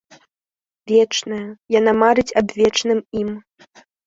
Вечная, яна марыць аб вечным ім.